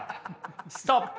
ストップ。